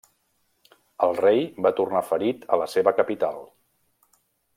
El rei va tornar ferit a la seva capital.